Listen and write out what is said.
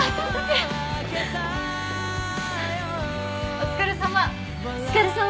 お疲れさま！